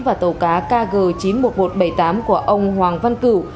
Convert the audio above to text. và tàu cá kg chín mươi một nghìn một trăm bảy mươi tám của ông hoàng văn cử